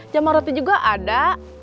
jamur roti juga ada